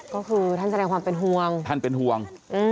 ก็คือท่านแสดงความเป็นห่วงท่านเป็นห่วง